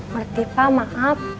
ngerti pak maaf